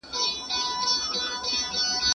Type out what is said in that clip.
ډنگر په هډ ماغزه لري.